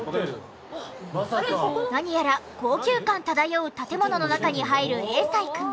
何やら高級感漂う建物の中に入る永才くん。